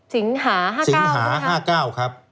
สิงหา๕๙นะครับสิงหา๕๙ครับ